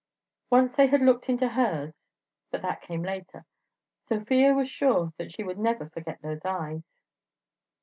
Once they had looked into hers (but that came later) Sofia was sure she would never forget those eyes.